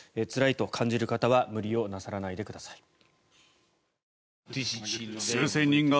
つらいと感じる方は無理をなさらないでください。